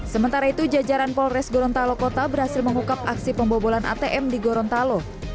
sementara itu jajaran polres gorontalo kota berhasil mengukap aksi pembobolan atm di gorontalo